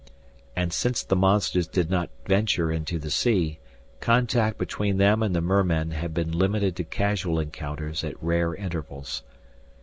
And since the monsters did not venture into the sea, contact between them and the mermen had been limited to casual encounters at rare intervals.